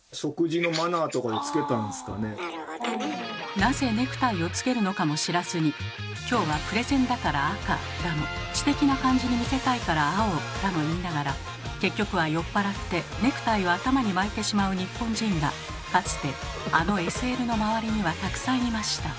なぜネクタイをつけるのかも知らずに「今日はプレゼンだから赤」だの「知的な感じに見せたいから青」だの言いながら結局は酔っ払ってネクタイを頭に巻いてしまう日本人がかつてあのＳＬの周りにはたくさんいました。